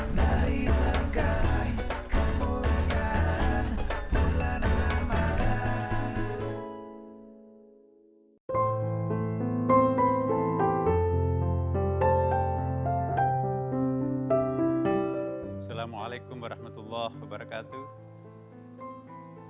assalamualaikum warahmatullahi wabarakatuh